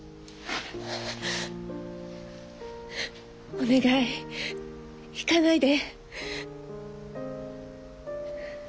お願い行かないで。